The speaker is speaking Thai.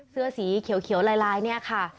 เสื้อสีเขียวลายเนี่ยค่ะ